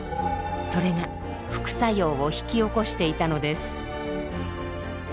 それが副作用を引き起こしていたのです。